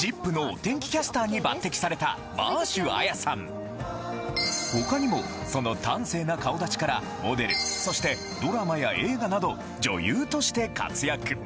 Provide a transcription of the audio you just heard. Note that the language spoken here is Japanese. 昨年４月他にもその端正な顔立ちからモデルそしてドラマや映画など女優として活躍